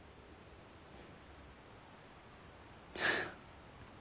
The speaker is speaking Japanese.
フッ。